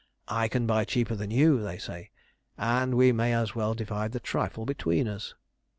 'I can buy cheaper than you,' they say, 'and we may as well divide the trifle between us.'